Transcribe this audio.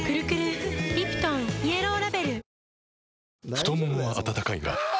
太ももは温かいがあ！